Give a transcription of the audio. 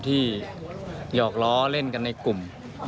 หยอกล้อเล่นกันในกลุ่ม